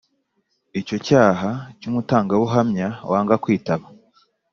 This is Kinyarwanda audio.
Icyo cyaha cy umutangabuhamya wanga kwitaba